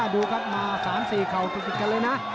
ดูครับมา๓๔เข่าติดกันเลยนะ